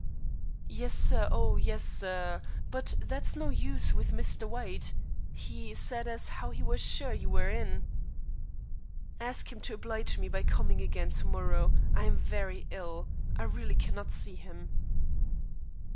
"Yes, sir oh yes, sir. But that's no use with Mr. White. 'E said as 'ow 'e were sure you were in." "Ask him to oblige me by coming again to morrow. I am very ill. I really cannot see him."